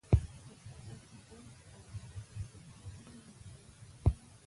د ساعت برج او مسجدالحرام نوراني ښکارېده.